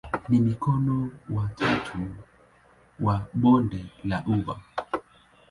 Ni mkono wa tatu wa bonde la ufa.